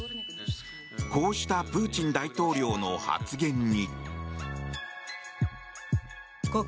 こうしたプーチン大統領の発言に。